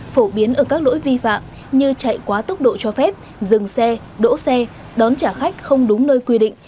phổ biến ở các lỗi vi phạm như chạy quá tốc độ cho phép dừng xe đỗ xe đón trả khách không đúng nơi quy định